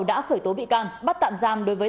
đã khởi tố bị can bắt tạm giam đối với